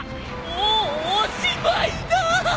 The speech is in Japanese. もうおしまいだ！